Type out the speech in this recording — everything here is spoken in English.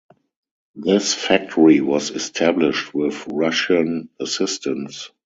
This factory was established with Russian assistance.